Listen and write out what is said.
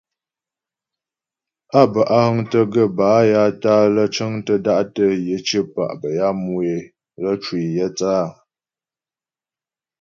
Á bə́ á həŋtə gaə́ bâ ya tǎ'a lə́ cəŋtə da'tə yə cyə̌pa' bə́ ya mu é lə cwə yə é thə́ áa.